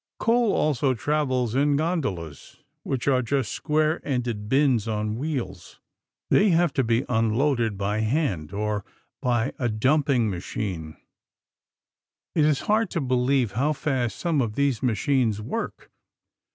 Coal also travels in gondolas, which are just square ended bins on wheels. They have to be unloaded by hand or by a dumping machine. It is hard to believe how fast some of these machines work.